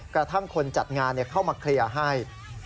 กระทั่งคนจัดงานเข้ามาเคลียร์ให้